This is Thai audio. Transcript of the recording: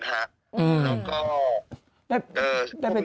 แล้วก็